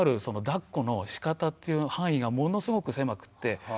そのだっこのしかたという範囲がものすごく狭くて。